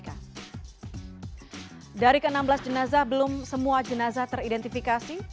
dari ke enam belas jenazah belum semua jenazah teridentifikasi